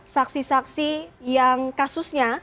saksi saksi yang kasusnya